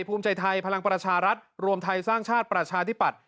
ภูมิใจไทยพลังประชารัฐรวมไทยสร้างชาติประชาธิปัตย